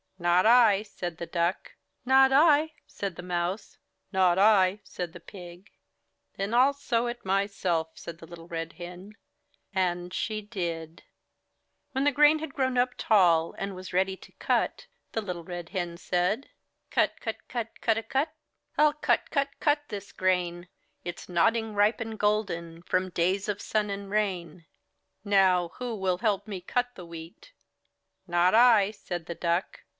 ''Not I," said the Duck. "Not I," said the Mouse. ''Not I," said the Pig. "Then Fll sow it myself," said Little Red Hen. And she did. 60 IN THE NURSERY When the grain had grown up tall and was ready to cut, Little Red Hen said: — '*Cut, cut, cut, cudawcut! rU cut, cut, cut this grain; It's nodding ripe and golden. From days of sun and rain. Now who will help me cut the wheat?" "Not I,'' said the Duck.